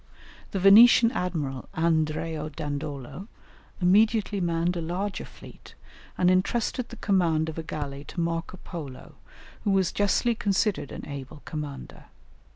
The Venetian Admiral Andrea Dandolo immediately manned a larger fleet and entrusted the command of a galley to Marco Polo who was justly considered an able commander.